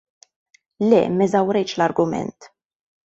Le m'eżawrejtx l-argument.